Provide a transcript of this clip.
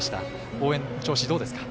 応援の調子どうですか？